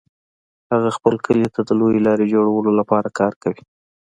هغوی خپل کلي ته د لویې لارې جوړولو لپاره کار کوي